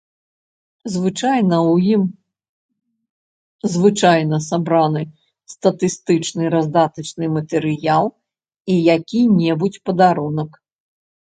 Звычайна ў ім звычайна сабраны статыстычны раздатачны матэрыял і які-небудзь падарунак.